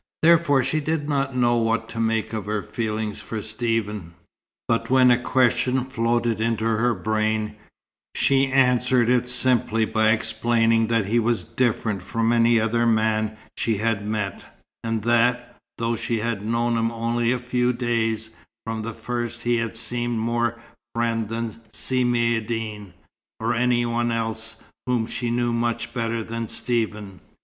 Therefore she did not know what to make of her feeling for Stephen. But when a question floated into her brain, she answered it simply by explaining that he was different from any other man she had met; and that, though she had known him only a few days, from the first he had seemed more a friend than Si Maïeddine, or any one else whom she knew much better than Stephen.